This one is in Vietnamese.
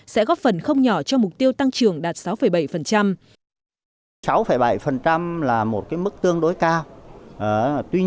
sẽ góp phần không nhỏ cho mục tiêu tăng trưởng đạt sáu bảy